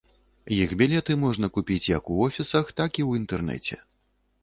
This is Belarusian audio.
Іх білеты можна купіць як у офісах, так і ў інтэрнэце.